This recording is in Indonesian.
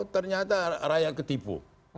ternyata rakyat ketipu